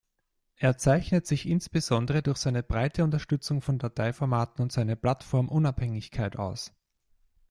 Er zeichnet sich insbesondere durch seine breite Unterstützung von Dateiformaten und seine Plattformunabhängigkeit aus.